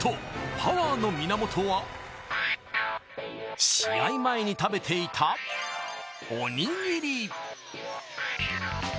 パワーの源は、試合前に食べていた、おにぎり。